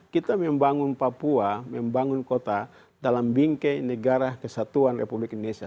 kita membangun papua membangun kota dalam bingkai negara kesatuan republik indonesia